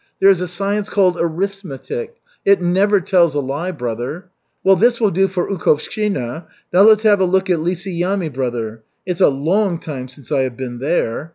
There is a science called arithmetic. It never tells a lie, brother! Well, this will do for Ukhovshchina. Now let's have a look at Lisy Yamy, brother. It's a long time since I have been there.